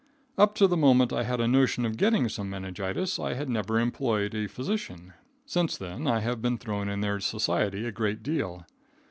Up to the moment I had a notion of getting some meningitis, I had never employed a physician. Since then I have been thrown in their society a great deal.